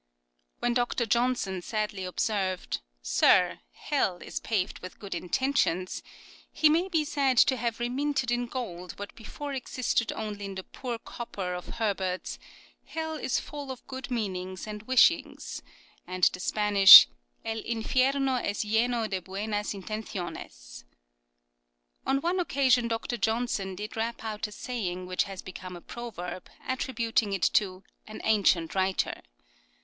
When Dr. Johnson sadly observed, " Sir, Hell is paved with good intentions," he may be said to have reminted in gold what before existed only in the poor copper of Herbert's " Hell is full of good meanings and wishings," and the Spanish " El infierno es Ueno de buenas intenciones." On one occasion Dr. Johnson did rap out a saying which has become a proverb, attributing it to " an ancient writer."